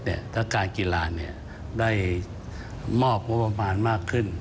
ในการกีฬาเนี่ยได้มอบมุดประมาณมากขึ้น